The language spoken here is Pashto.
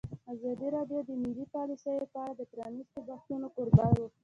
ازادي راډیو د مالي پالیسي په اړه د پرانیستو بحثونو کوربه وه.